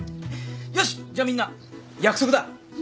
よしじゃみんな約束だ。